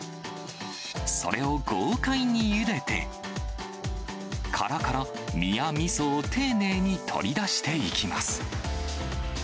それを豪快にゆでて、殻から身やみそを丁寧に取り出していきます。